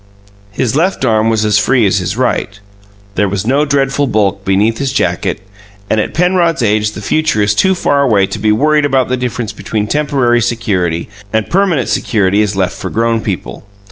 His left arm was as free as his right; there was no dreadful bulk beneath his jacket, and at Penrod's age the future is too far away to be worried about the difference between temporary security and permanent security is left for grown people.